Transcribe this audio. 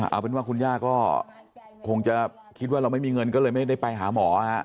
เอาเป็นว่าคุณย่าก็คงจะคิดว่าเราไม่มีเงินก็เลยไม่ได้ไปหาหมอ